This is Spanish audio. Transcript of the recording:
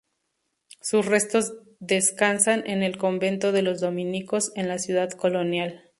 Sus restos descansan en el Convento de los Dominicos en la Ciudad Colonial.